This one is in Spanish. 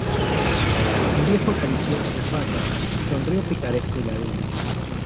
el viejo acaricióse las barbas, y sonrió picaresco y ladino: